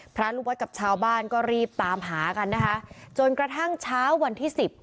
พระลูกวัดกับชาวบ้านก็รีบตามหากันนะคะจนกระทั่งเช้าวันที่สิบ